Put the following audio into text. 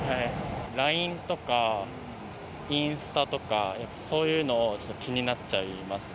ＬＩＮＥとかインスタとか、やっぱそういうのを気になっちゃいますね。